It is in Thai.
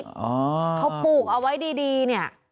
เขาปลูกเอาไว้ดีเนี่ย